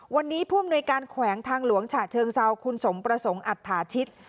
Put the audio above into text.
วันนี้ผู้อำนวยการแขวงทางหลวงฉะเชิงเซาคุณสมประสงค์อัตถาชิต